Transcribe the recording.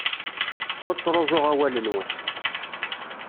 Ur ttruẓuɣ awal-nwent.